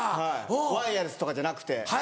ワイヤレスとかじゃなくて。